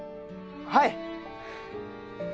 はい！